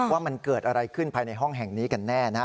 ว่ามันเกิดอะไรขึ้นภายในห้องแห่งนี้กันแน่นะฮะ